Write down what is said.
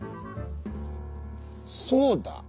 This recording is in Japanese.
そうだ。